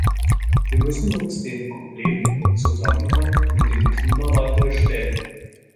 Wir müssen uns den Problemen im Zusammenhang mit dem Klimawandel stellen.